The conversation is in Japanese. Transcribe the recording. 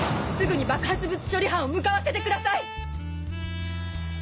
すぐに爆発物処理班を向かわせてください！！